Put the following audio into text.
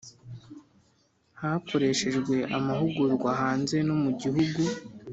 hakoreshejwe amahugurwa hanze no mu gihugu